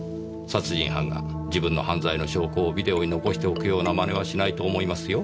殺人犯が自分の犯罪の証拠をビデオに残しておくような真似はしないと思いますよ。